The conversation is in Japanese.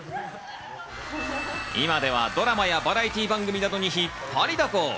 今ではドラマやバラエティー番組などに引っ張りだこ。